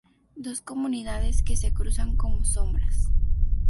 Dos comunidades que se cruzan como sombras.